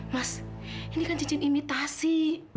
mas ini kan cincin imitasi